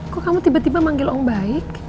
kok kamu tiba tiba manggil om baik